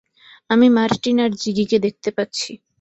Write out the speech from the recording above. আমি মার্টিন আর জিগিকে দেখতে পাচ্ছি।